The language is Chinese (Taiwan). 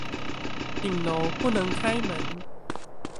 頂樓不能開門